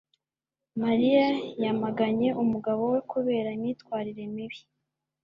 Mariya yamaganye umugabo we kubera imyitwarire mibi